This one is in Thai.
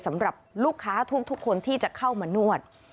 สำหรับลูกค้าทุกคนที่จะเข้ามานวด